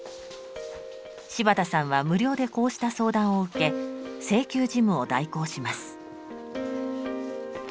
柴田さんは無料でこうした相談を受け請求事務を代行します。